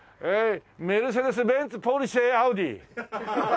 メルセデス・ベンツポルシェアウディ。